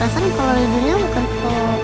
rasanya kalo lebihnya bukan kalau